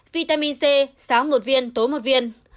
vitamin c sáng một viên tối một viên